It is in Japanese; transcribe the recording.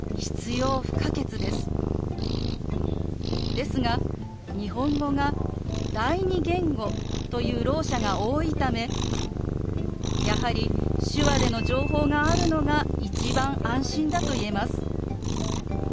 ですが日本語が第二言語というろう者が多いためやはり手話での情報があるのが一番安心だと言えます。